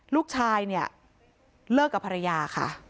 ลูกชายเลิกกับภรรยาค่ะ